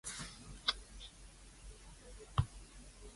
先生，呢篤痰係唔係你吐㗎？